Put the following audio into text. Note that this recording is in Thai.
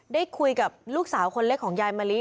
ได้คุยกับลูกสาวคนเล็กของยายมะลิ